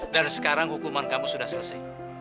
dari sekarang hukuman kamu sudah selesai